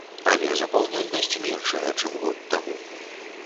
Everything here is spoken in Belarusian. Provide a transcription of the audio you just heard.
Але запаўняльнасць меншая, чым год таму.